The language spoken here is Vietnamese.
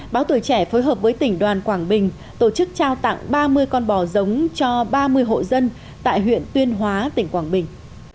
báo tuổi trẻ phối hợp với tỉnh đoàn quảng bình tổ chức trao tặng ba mươi con bò giống cho ba mươi hộ dân tại huyện tuyên hóa tỉnh quảng bình